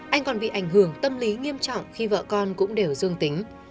anh còn bị ảnh hưởng tâm lý nghiêm trọng khi vợ con cũng đều dương tính